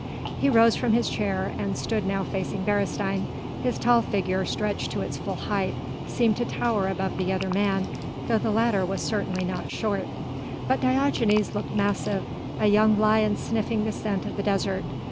He rose from his chair and stood now facing Beresteyn. His tall figure, stretched to its full height, seemed to tower above the other man, though the latter was certainly not short; but Diogenes looked massive a young lion sniffing the scent of the desert.